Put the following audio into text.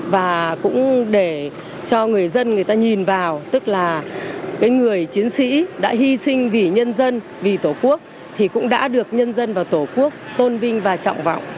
và cũng để cho người dân người ta nhìn vào tức là cái người chiến sĩ đã hy sinh vì nhân dân vì tổ quốc thì cũng đã được nhân dân và tổ quốc tôn vinh và trọng vọng